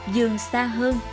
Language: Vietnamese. dường xa hơn